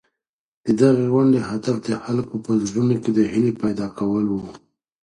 د دغي غونډې هدف د خلکو په زړونو کي د هیلې پیدا کول وو.